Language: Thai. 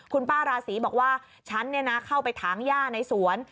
คุณป้าราศีบอกว่าฉันเข้าไปถางย่าในสวน